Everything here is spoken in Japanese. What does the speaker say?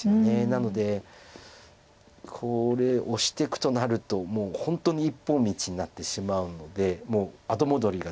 なのでこれオシていくとなるともう本当に一本道になってしまうのでもう後戻りができない。